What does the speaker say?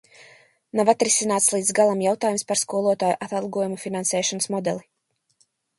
Nav atrisināts līdz galam jautājums par skolotāju atalgojuma finansēšanas modeli.